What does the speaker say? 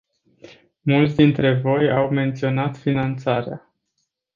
Mulți dintre voi au menționat finanțarea.